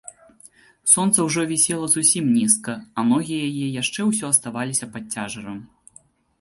Сонца ўжо вісела зусім нізка, а ногі яе яшчэ ўсё аставаліся пад цяжарам.